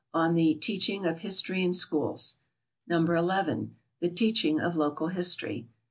on the "Teaching of History in Schools." No. 11. The Teaching of Local History.